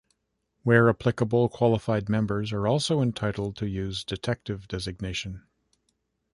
Where applicable qualified members are also entitled to use Detective designation.